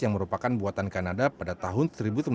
yang merupakan buatan kanada pada tahun seribu sembilan ratus sembilan